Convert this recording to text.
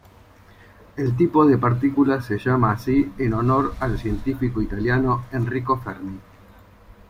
El tipo de partícula se llama así en honor al científico italiano Enrico Fermi.